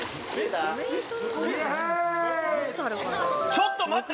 ◆ちょっと待って！